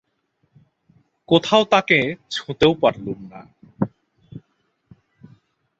কোথাও তাঁকে ছুঁতেও পারলুম না।